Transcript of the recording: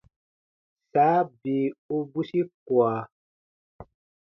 Saa bii u bwisi kua.